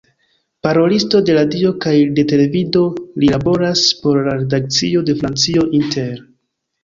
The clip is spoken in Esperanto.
Parolisto de radio kaj de televido, li laboras por la redakcio de Francio Inter.